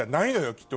きっと。